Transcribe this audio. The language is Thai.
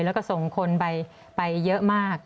แล้วก็ส่งคนไปเยอะมาก